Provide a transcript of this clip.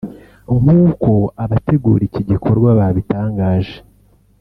nk’uko abategura iki gikorwa babitangaje